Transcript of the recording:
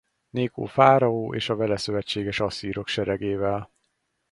Nékó fáraó és a vele szövetséges asszírok seregével.